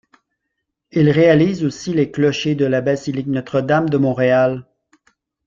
Il réalise aussi les clochers de la Basilique Notre-Dame de Montréal.